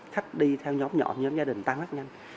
khách đi theo nhóm nhỏ nhóm gia đình tăng rất nhanh